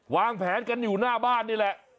วางแผนกันอยู่หน้าบ้านนี่แหละ